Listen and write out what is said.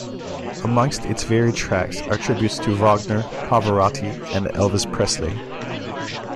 Amongst its varied tracks are tributes to Wagner, Pavarotti and Elvis Presley.